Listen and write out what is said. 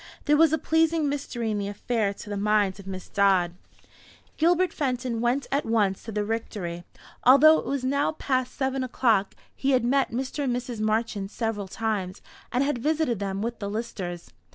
There was a pleasing mystery in the affair, to the mind of Miss Dodd. Gilbert Fenton went at once to the Rectory, although it was now past seven o'clock. He had met Mr. and Mrs. Marchant several times, and had visited them with the Listers.